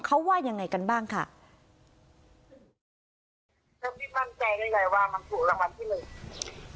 เขาว่ายังไงกันบ้างค่ะแล้วพี่มั่นใจได้ไงว่ามันถูกรางวัลที่หนึ่ง